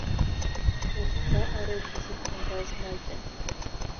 Урҭ раҟарагь изықәнагаз маҷын.